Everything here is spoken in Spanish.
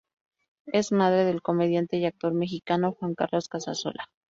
Es madre del comediante y actor mexicano Juan Carlos Casasola.